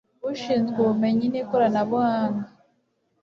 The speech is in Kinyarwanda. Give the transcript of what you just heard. ushinzwe Ubumenyi n Ikoranabuhanga